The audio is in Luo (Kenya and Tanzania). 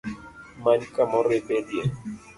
Many kamoro ibedie